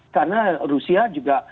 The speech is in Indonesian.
karena rusia juga